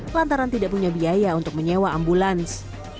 lantaran tidak punya biaya untuk menyewa ambulans